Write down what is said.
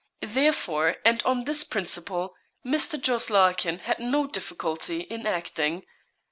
Therefore, and on this principle, Mr. Jos. Larkin had 'no difficulty' in acting.